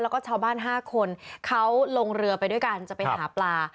แล้วก็ชาวบ้าน๕คนเขาลงเรือไปด้วยกันจะไปหาปลา